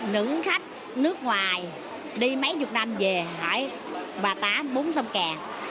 nữ khách nước ngoài đi mấy chục năm về hỏi bà tám bún xong kè